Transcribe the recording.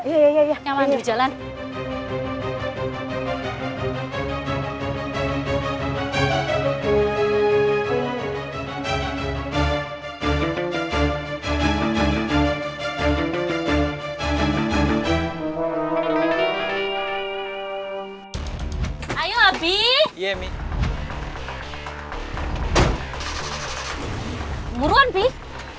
iya abang lah